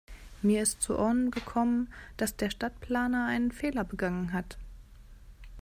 Mir ist zu Ohren gekommen, dass der Stadtplaner einen Fehler begangen hat.